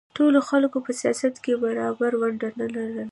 ټولو خلکو په سیاست کې برابره ونډه نه لرله.